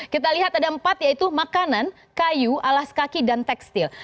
kita lihat ada empat yaitu makanan kayu alas kaki dan tekstil